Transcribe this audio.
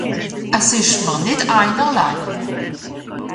Es ìsch mìr nìtt einerlei.